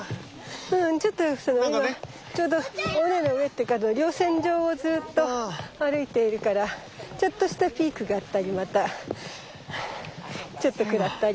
うんちょっと今ちょうど尾根の上っていうか稜線上をずっと歩いているからちょっとしたピークがあったりまたちょっと下ったり。